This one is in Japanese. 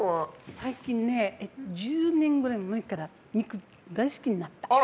最近１０年ぐらい前から肉大好きになって。